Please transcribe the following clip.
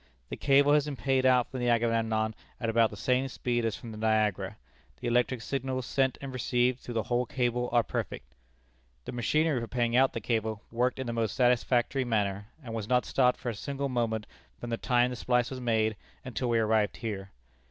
The cable has been paid out from the Agamemnon at about the same speed as from the Niagara. The electric signals sent and received through the whole cable are perfect. "The machinery for paying out the cable worked in the most satisfactory manner, and was not stopped for a single moment from the time the splice was made until we arrived here.